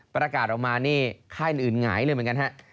ประกาศออกมานี่ค่ายอื่นหงายเลยเหมือนกันฮะ